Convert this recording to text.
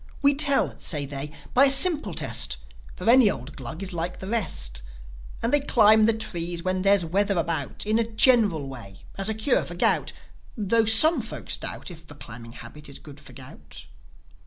"We tell," say they, "by a simple test; For any old Glug is like the rest. And they climb the trees when there's weather about, In a general way, as a cure for gout; Tho' some folks doubt If the climbing habit is good for gout."